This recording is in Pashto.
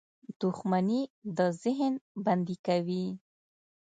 • دښمني د ذهن بندي کوي.